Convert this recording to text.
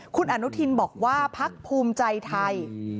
คุณอนุทินบอกว่าพักภูมิใจไทย